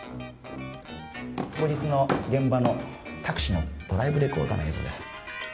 当日の現場のタクシーのドライブレコーダーの映像です